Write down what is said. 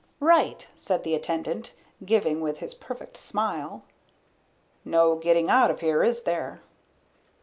"Right," said the attendant, giving with his perfect smile. "No getting out of here, is there?"